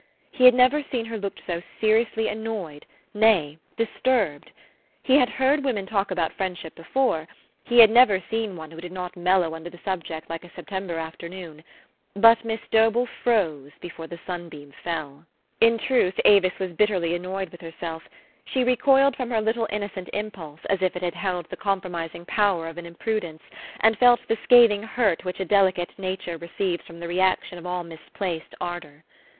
He had never seen her look so seriously annoyed, nay, disturbed. He had heard women talk about friendship before : he had never seen one who did not mellow under the subject like a September afternoon. But Miss Dobell froze before the sunbeam fell. THE STORY OF AVIS. 10o In truth, Avis was bitterly annoyed with herself. She recoiled from her little innocent impulse as if it had held the compromising power of an imprudence, and felt the scathing hurt which a delicate nature receives from the re action of all misplaced ardor.